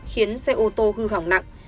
khiến xe ô tô hư hỏng nặng